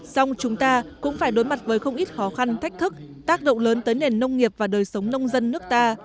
song chúng ta cũng phải đối mặt với không ít khó khăn thách thức tác động lớn tới nền nông nghiệp và đời sống nông dân nước ta